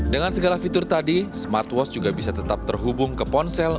dengan segala fitur tadi smartwas juga bisa tetap terhubung ke ponsel